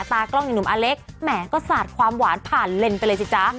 ตากล้องอย่างหนุ่มอเล็กแหมก็สาดความหวานผ่านเลนส์ไปเลยสิจ๊ะ